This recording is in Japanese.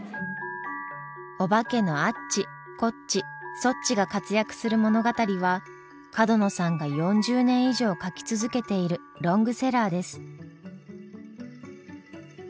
おばけのアッチコッチソッチが活躍する物語は角野さんが４０年以上書き続けているロングセラーです。